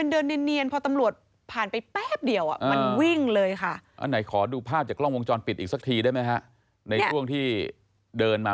เดี๋ยวลุงเป่าให้